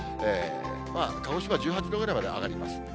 まあ、鹿児島１８度ぐらいまで上がります。